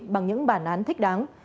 bằng những bản án thích đáng